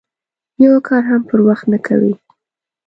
یو کار هم پر وخت نه کوي.